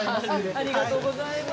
ありがとうございます。